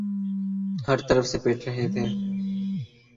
ہر طرف سے پٹ رہے تھے۔